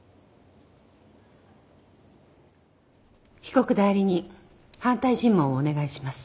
被告代理人反対尋問をお願いします。